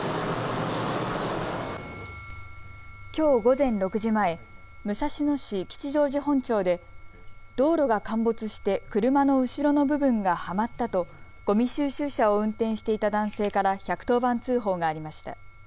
きょう午前６時前、武蔵野市吉祥寺本町で道路が陥没して車の後ろの部分がはまったとごみ収集車を運転していた男性から１１０番通報がありました。